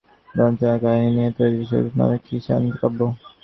গ্রামবাংলার চাষিদের এমন শোষণ-বঞ্চনার কাহিনি নিয়ে তৈরি শ্রুতি নাটক কিষান কাব্য।